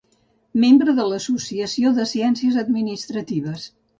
Membre de l'Associació de Ciències Administratives.